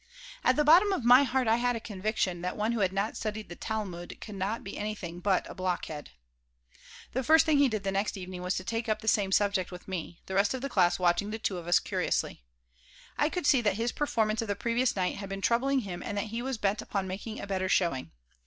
At the bottom of my heart I had a conviction that one who had not studied the Talmud could not be anything but a blockhead The first thing he did the next evening was to take up the same subject with me, the rest of the class watching the two of us curiously. I could see that his performance of the previous night had been troubling him and that he was bent upon making a better showing.